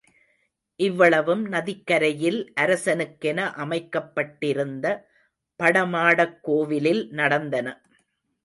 இவ்வளவும் நதிக்கரையில் அரசனுக்கென அமைக்கப்பட்டிருந்த படமாடக் கோவிலில் நடந்தன.